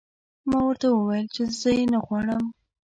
ما ورته وویل چې زه یې نه غواړم